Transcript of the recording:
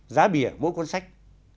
giá bìa mỗi cuốn sách